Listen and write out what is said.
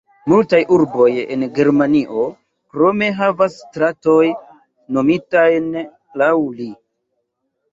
Multaj urboj en Germanio krome havas stratojn nomitajn laŭ li.